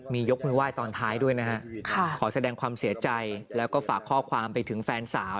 มียกมือไหว้ตอนท้ายด้วยนะฮะขอแสดงความเสียใจแล้วก็ฝากข้อความไปถึงแฟนสาว